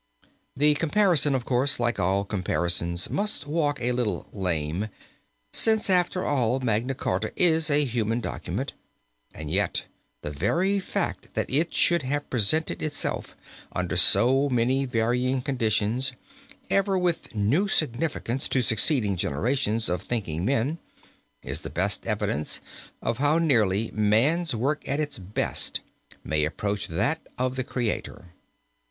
The comparison, of course, like all comparisons, must walk a little lame, since after all Magna Charta is a human document, and yet the very fact that it should have presented itself under so many varying conditions, ever with new significance to succeeding generations of thinking men, is the best evidence of how nearly man's work at its best may approach that of the Creator.